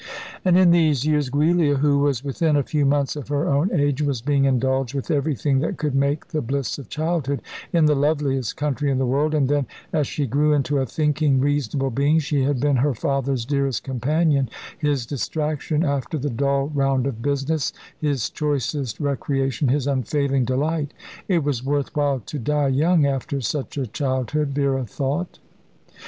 And in these years Giulia, who was within a few months of her own age, was being indulged with everything that could make the bliss of childhood, in the loveliest country in the world, and then, as she grew into a thinking, reasonable being, she had been her father's dearest companion, his distraction after the dull round of business, his choicest recreation, his unfailing delight. It was worth while to die young after such a childhood, Vera thought.